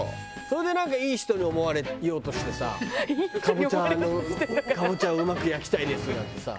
それでなんかいい人に思われようとしてさカボチャの「カボチャをうまく焼きたいです」なんてさ。